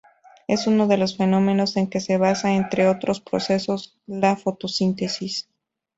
Es uno de los fenómenos en que se basa, entre otros procesos, la fotosíntesis.